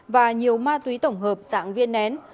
và nhiều ma túy tổng hợp sẵn viên nén